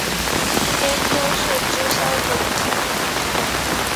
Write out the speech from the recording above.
监督是芝山努。